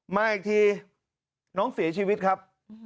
มาอีกทีน้องเสียชีวิตครับ